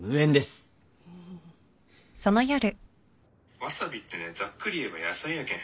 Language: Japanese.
ワサビってねざっくり言えば野菜やけん。